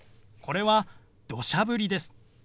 これは「どしゃ降り」です。